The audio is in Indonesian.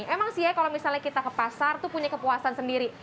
emang sih ya kalau misalnya kita ke pasar tuh punya kepuasan sendiri